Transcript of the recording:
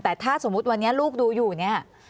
แต่ถ้าสมมุติวันนี้ลูกดูอยู่เนี่ย